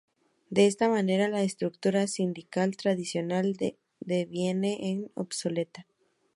De esta manera, la estructura sindical tradicional deviene en obsoleta.